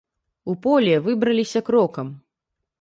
У поле выбраліся крокам.